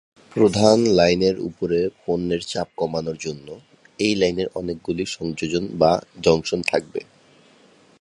প্রধান লাইনের উপরে পণ্যের চাপ কমানোর জন্য, এই লাইনে অনেকগুলি সংযোগ বা জংশন থাকবে।